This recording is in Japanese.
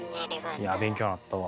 いやぁ勉強なったわ。